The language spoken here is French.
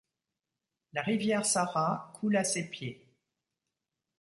La rivière Sara coule à ses pieds.